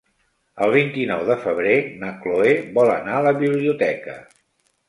El vint-i-nou de febrer na Chloé vol anar a la biblioteca.